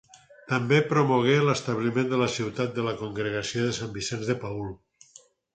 També promogué l'establiment a la ciutat de la Congregació de Sant Vicenç de Paül.